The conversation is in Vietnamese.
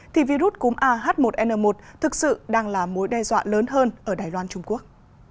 thì virus cúm ah một n một thực sự đang là mối đe dọa lớn hơn ở đài loan trung quốc